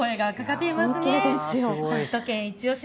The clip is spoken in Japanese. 首都圏いちオシ！